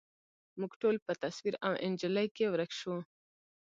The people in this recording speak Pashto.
موږ ټول په تصویر او انجلۍ کي ورک شوو